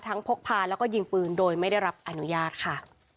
พกพาแล้วก็ยิงปืนโดยไม่ได้รับอนุญาตค่ะ